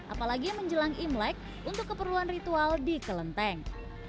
apalagi menjelang imlek untuk keperluan ritual di kelenteng